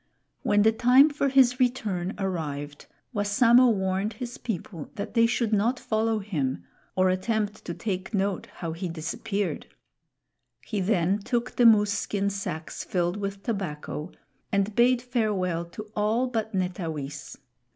When the time for his return arrived, Wassamo warned his people that they should not follow him or attempt to take note how he disappeared. He then took the moose skin sacks filled with tobacco and bade farewell to all but Netawis.